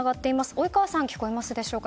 及川さん、聞こえますでしょうか。